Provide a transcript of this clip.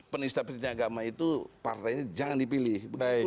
penistabilan agama itu partainya jangan dipilih